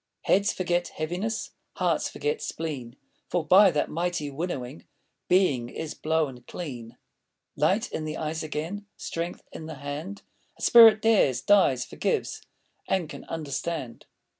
Heads forget heaviness, Hearts forget spleen, For by that mighty winnowing Being is blown clean. Light in the eyes again, Strength in the hand, A spirit dares, dies, forgives, And can understand!